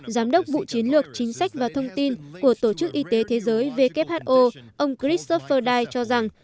giám đốc bộ chiến lược chính sách và thông tin của tổ chức y tế thế giới who ông christopher dye cho rằng